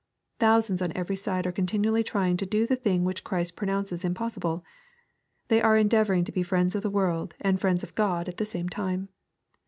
Thousands on every side are continually trying to do the thing which Christ pronounces impossible. They are endeavoring to be friends of the world and friends of God at the same time.